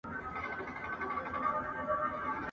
نه یې زرکي په ککړو غولېدلې ..